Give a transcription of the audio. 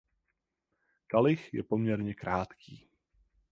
Kalich je poměrně krátký.